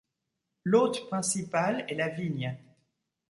L'hôte principal est la vigne.